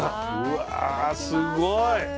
うわすごい。